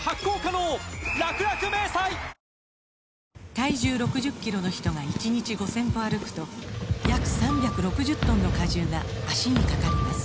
体重６０キロの人が１日５０００歩歩くと約３６０トンの荷重が脚にかかります